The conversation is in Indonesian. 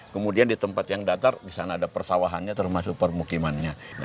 kemudian di tempat yang datar di sana ada persawahannya termasuk permukimannya